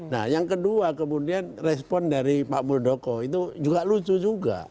nah yang kedua kemudian respon dari pak muldoko itu juga lucu juga